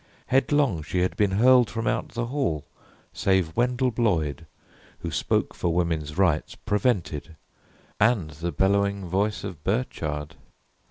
Headlong she had been hurled from out the hall Save Wendell Bloyd, who spoke for woman's rights, Prevented, and the bellowing voice of Burchard.